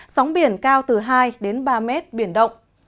sóng biển cao từ hai đến ba mét biển động